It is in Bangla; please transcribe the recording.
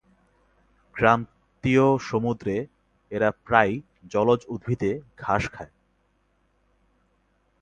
ক্রান্তীয় সমুদ্রে এরা প্রায়ই জলজ উদ্ভিদে ঘাস খায়।